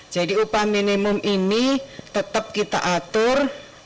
jadi upah minimum ini tetap kita atur